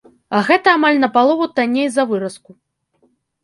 А гэта амаль напалову танней за выразку.